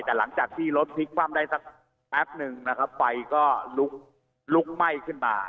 แต่หลังจากที่รถพลิกคว่ำได้สักแป๊บหนึ่งนะครับไฟก็ลุกลุกไหม้ขึ้นมา